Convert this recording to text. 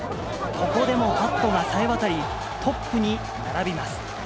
ここでもパットがさえ渡り、トップに並びます。